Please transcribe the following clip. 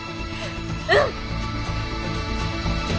うん！